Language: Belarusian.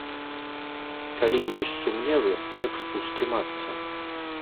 Калі ёсць сумневы, лепш устрымацца.